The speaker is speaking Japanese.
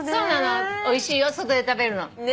おいしいよ外で食べるの。